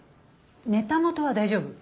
ネタ元は大丈夫？